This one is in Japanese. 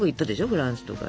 フランスとか。